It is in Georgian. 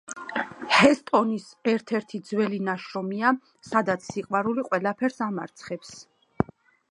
ჰესტონის ერთ-ერთი ძველი ნაშრომია, სადაც სიყვარული ყველაფერს ამარცხებს.